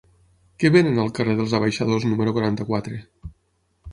Què venen al carrer dels Abaixadors número quaranta-quatre?